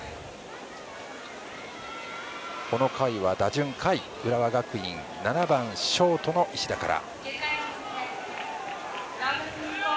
この回は打順下位浦和学院７番ショートの石田から。